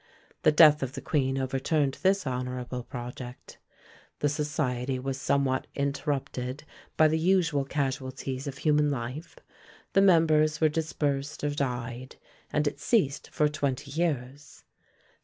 The death of the queen overturned this honourable project. The society was somewhat interrupted by the usual casualties of human life; the members were dispersed or died, and it ceased for twenty years.